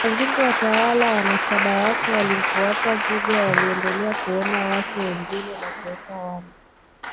Wazungu Watawala wa nasaba yake waliomfuata Vuga waliendelea kuoa wake wengi na kuweka wana